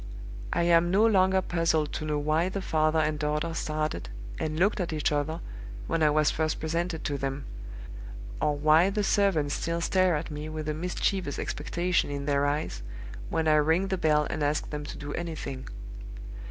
I am no longer puzzled to know why the father and daughter started, and looked at each other, when I was first presented to them; or why the servants still stare at me with a mischievous expectation in their eyes when I ring the bell and ask them to do anything.